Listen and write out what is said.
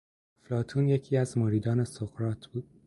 افلاطون یکی از مریدان سقراط بود.